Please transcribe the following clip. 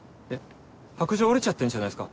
白杖折れちゃってんじゃないっすか。